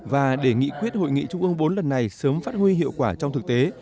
và để nghị quyết hội nghị trung ương bốn lần này sớm phát huy hiệu quả trong thực tế